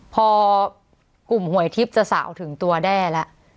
พอกลุ่มโหยทิศจะเสาถึงตัวแด้ล่ะ